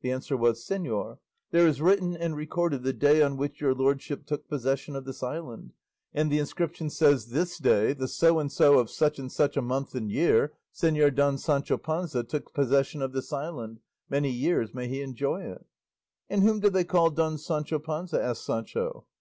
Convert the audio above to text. The answer was, "Señor, there is written and recorded the day on which your lordship took possession of this island, and the inscription says, 'This day, the so and so of such and such a month and year, Señor Don Sancho Panza took possession of this island; many years may he enjoy it.'" "And whom do they call Don Sancho Panza?" asked Sancho.